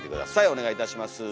お願いいたします。